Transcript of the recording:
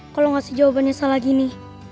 kalau ngasih jawabannya salah gini